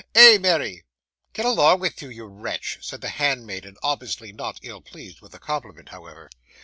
Eh, Mary!' 'Get along with you, you wretch,' said the hand maiden, obviously not ill pleased with the compliment, however.